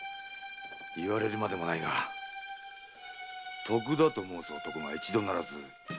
言われるまでもないが徳田と申す男が一度ならず二度も邪魔をした。